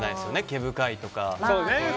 毛深いとか。